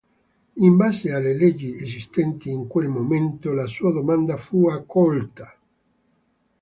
In base alle leggi esistenti in quel momento la sua domanda fu accolta.